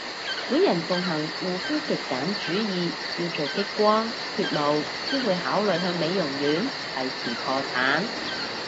本人奉行護膚極簡主義，要做激光脫毛先會考慮去美容院，廢事破產